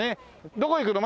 どこ行くの？